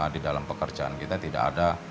di dalam pekerjaan kita tidak ada